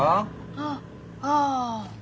あっああ。